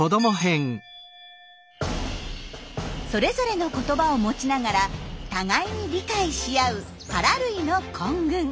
それぞれの言葉を持ちながら互いに理解し合うカラ類の混群。